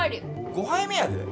５杯目やで。